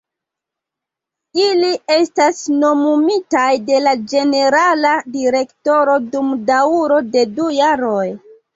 Ili estas nomumitaj de la ĝenerala direktoro dum daŭro de du jaroj.